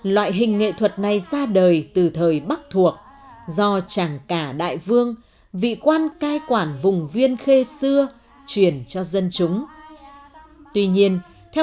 loại hình nghệ thuật này đem đến cảm giác thú vị và hấp dẫn cho người thưởng thức